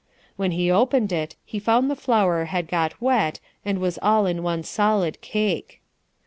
When he opened it he found the flour had got wet and was all in one solid cake.